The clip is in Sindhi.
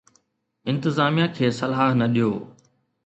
انتظاميا کي صلاح نه ڏيو.